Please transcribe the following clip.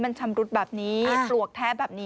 มันชำรุดแบบนี้ปลวกแท้แบบนี้